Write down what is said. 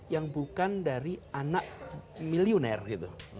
yang bukan dari anak milioner gitu